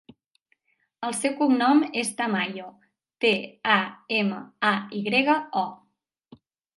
El seu cognom és Tamayo: te, a, ema, a, i grega, o.